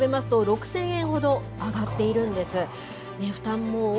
５年前と比べますと６０００円ほど上がっているんです。